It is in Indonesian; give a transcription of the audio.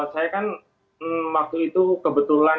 saya kan waktu itu kebetulan